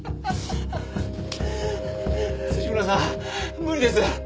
村さん無理です。